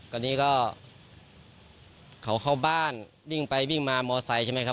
ตอนนี้ก็เขาเข้าบ้านวิ่งไปวิ่งมามอไซค์ใช่ไหมครับ